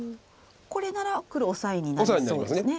これなら黒オサエになりそうですね。